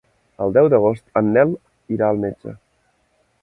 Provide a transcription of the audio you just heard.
El deu d'agost en Nel irà al metge.